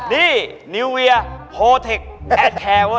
นี่นิวเวียโฮเทคแบตแคร์เว่ย